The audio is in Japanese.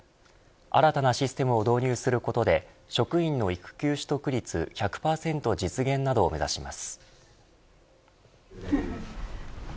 新たなシステムを導入することで職員の育休取得率１００％実現などを目指します。